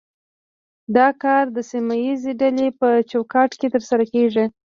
دا کار د سیمه ایزې ډلې په چوکاټ کې ترسره کیږي